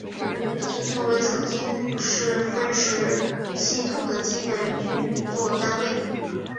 行程为曾经是分时系统的基本运作单位。